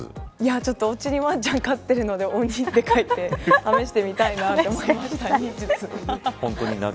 ちょっと、家にワンちゃん飼っているので鬼と書いて試してみたいなと思いました。